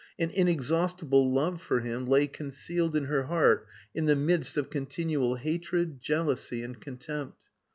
An inexhaustible love for him lay concealed in her heart in the midst of continual hatred, jealousy, and contempt.